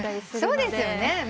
そうですよね。